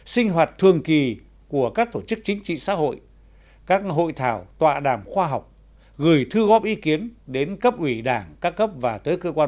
xã hội các hội thảo tọa đàm khoa học gửi thư góp ý kiến đến cấp ủy đảng các cấp và tới cơ quan